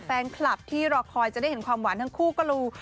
แฟนคลับที่รอคอยจะได้เห็นความหวานทั้งคู่ก็รู้